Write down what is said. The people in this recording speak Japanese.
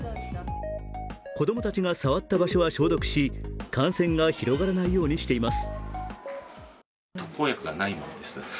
子供たちが触った場所は消毒し、感染が広がらないようにしています。